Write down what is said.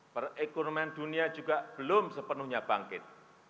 perekonomian dunia juga belum sepenuhnya bangkit